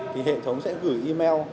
thì hệ thống sẽ gửi email